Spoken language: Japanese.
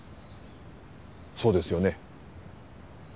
そうですよね？